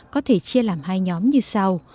có thể chia làm hai nhóm như sau